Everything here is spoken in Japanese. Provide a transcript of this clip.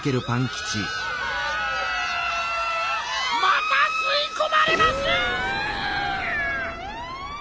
またすいこまれます！